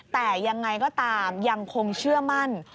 แต่ยังไงก็ตามยังคงเชื่อมั่น